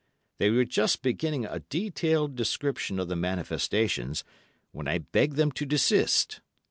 They were just beginning a detailed description of the manifestations, when I begged them to desist.